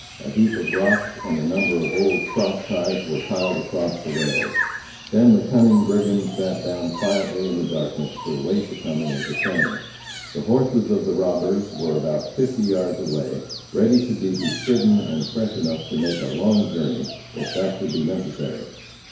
A heap of rocks and a number of old cross ties were piled across the rails. Then the cunning brigands sat down quietly in the darkness to await the coming of the train. The horses of the robbers were about fifty yards away ready to be bestridden, and fresh enough to make a long journey if that should be necessary.